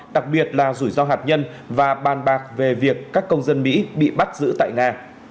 đặc biệt là rủi ro hạt nhân và bàn bạc về việc các công dân mỹ bị bắt giữ tại nga